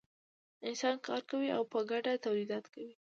انسانان کار کوي او په ګډه تولیدات کوي.